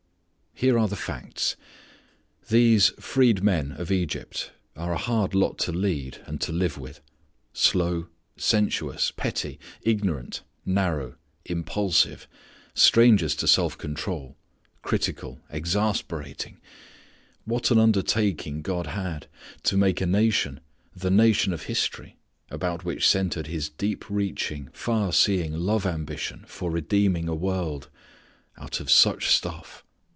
Here are the facts. These freed men of Egypt are a hard lot to lead and to live with. Slow, sensuous, petty, ignorant, narrow, impulsive, strangers to self control, critical, exasperating what an undertaking God had to make a nation, the nation of history, about which centred His deep reaching, far seeing love ambition for redeeming a world out of such stuff!